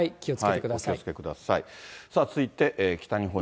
お気をつけください。